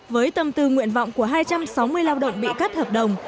với tâm tư nguyện vọng của hai trăm sáu mươi lao động bị cắt hợp đồng